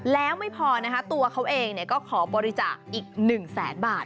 แล้วไม่พอนะคะตัวเขาเองก็ขอบริจาคอีก๑แสนบาท